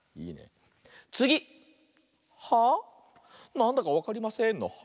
「なんだかわかりません」の「はあ？」。